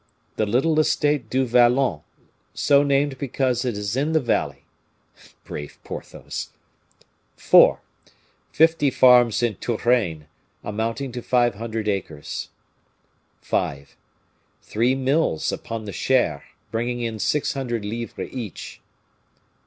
The little estate Du Vallon, so named because it is in the valley." (Brave Porthos!) "4. Fifty farms in Touraine, amounting to five hundred acres. "5. Three mills upon the Cher, bringing in six hundred livres each.